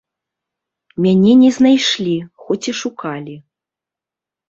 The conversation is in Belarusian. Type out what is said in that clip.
Мяне не знайшлі, хоць і шукалі.